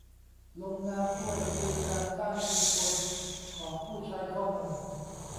ลงนามด้วยคือการสร้างชุมชนของผู้ใช้ข้อมูล